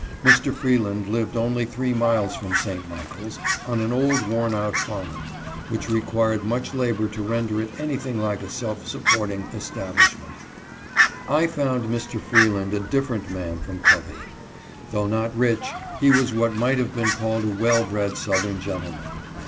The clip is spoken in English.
Mr. Freeland lived only three miles from St. Michaels, on an old, worn out farm, which required much labor to render it anything like a self supporting establishment. I found Mr. Freeland a different man from Covey. Though not rich, he was what might have been called a well bred Southern gentleman.